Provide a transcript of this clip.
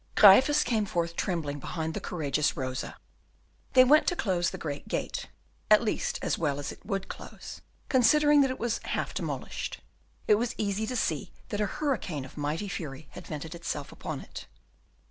Gryphus came forth trembling behind the courageous Rosa. They went to close the great gate, at least as well as it would close, considering that it was half demolished. It was easy to see that a hurricane of mighty fury had vented itself upon it.